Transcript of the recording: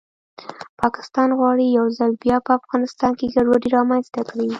پاکستان غواړي یو ځل بیا په افغانستان کې ګډوډي رامنځته کړي